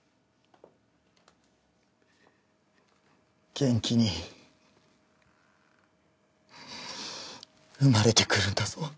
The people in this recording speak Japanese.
元気に生まれてくるんだぞ。